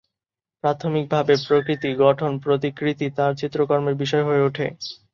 প্রাথমিকভাবে প্রকৃতি, গঠন, প্রতিকৃতি তার চিত্রকর্মের বিষয় হয়ে ওঠে।